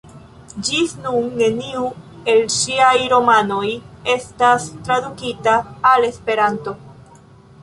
Ĝis nun neniu el ŝiaj romanoj estas tradukita al Esperanto.